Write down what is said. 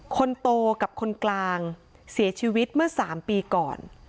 คนโตกับคนกลางเสียชีวิตเมื่อ๓ปีก่อน